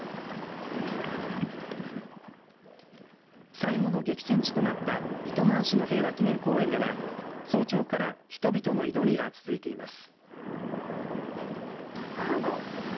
最後の激戦地となった糸満市の平和祈念公園では早朝から人々の祈りが続いています。